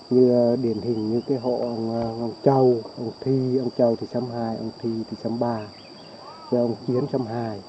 như điển hình như cái hộ ông châu ông thi ông châu thì xăm hai ông thi thì xăm ba và ông chiến xăm hai